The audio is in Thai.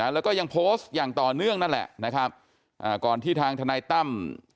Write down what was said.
แล้วก็ยังโพสต์อย่างต่อเนื่องนั่นแหละนะครับก่อนที่ทางทนายตั้ม